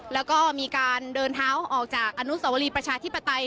แล้วก็มีการเดินเท้าออกจากอนุสวรีประชาธิปไตย